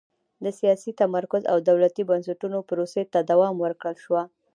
د سیاسي تمرکز او دولتي بنسټونو پروسې ته دوام ورکړل شوه.